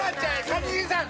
一茂さん！